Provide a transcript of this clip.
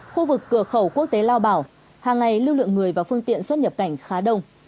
khu vực cửa khẩu quốc tế lao bảo hàng ngày lưu lượng người và phương tiện xuất nhập cảnh khá đông